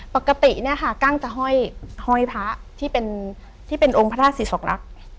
ปกติเนี่ยค่ะกั้งจะห้อยพระที่เป็นที่เป็นองค์พระธาตุศิษกรักษ์